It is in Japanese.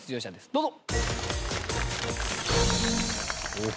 どうぞ。